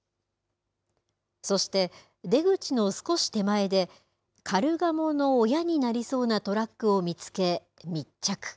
そして、出口の少し手前でカルガモの親になりそうなトラックを見つけ密着。